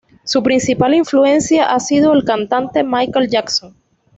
Su principal influencia ha sido el cantante Michael Jackson.